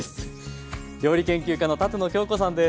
料理研究家の舘野鏡子さんです。